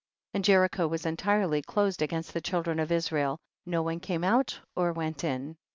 13. And Jericho was entirely closed against the children of Israel, no one came out or went in.